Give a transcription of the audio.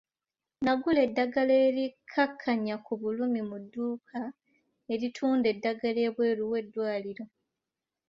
Nagula eddagala erikkakkanya ku bulumi mu dduuka eritunda eddagala ebweru w'eddwaliro.